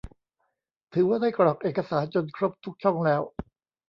ถือว่าได้กรอกเอกสารจนครบทุกช่องแล้ว